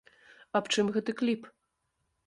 Аб чым гэты кліп?